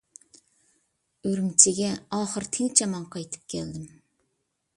ئۈرۈمچىگە ئاخىرى تىنچ-ئامان قايتىپ كەلدىم.